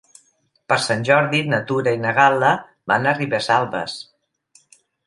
Per Sant Jordi na Tura i na Gal·la van a Ribesalbes.